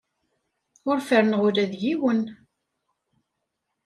Ur ferrneɣ ula d yiwen.